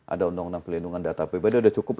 ada undang undang pelindungan data pribadi sudah cukup